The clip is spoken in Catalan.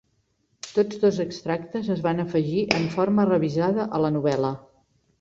Tots dos extractes es van afegir en forma revisada a la novel·la.